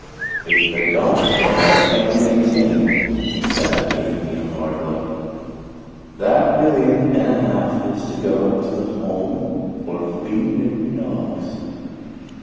If they don't care and maintain," he said, giving me a hard look, "that million and a half is to go to the Home for Flea Bitten Dogs."